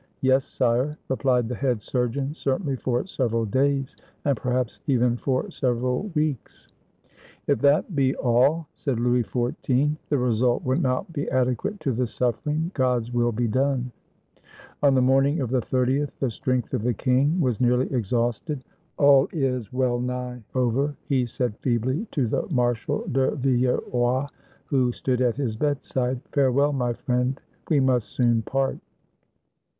"Yes, sire," replied the head surgeon; "certainly, for several days; and perhaps even for several weeks." "If that be all," said Louis XIV, "the result will not be adequate to the suffering. God's will be done!" On the morning of the 30th the strength of the king was nearly exhausted. "All is well nigh over," he said feebly to the Marshal de Villeroy, who stood at his bedside; "farewell, my friend, we must soon part."